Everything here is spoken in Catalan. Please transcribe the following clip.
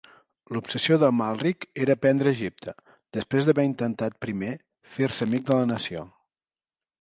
L'obsessió d'Amalric era prendre Egipte, després d'haver intentat primer fer-se amic de la nació.